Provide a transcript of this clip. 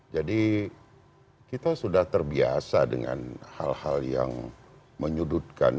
jadi kita sudah terbiasa dengan hal hal yang menyudutkan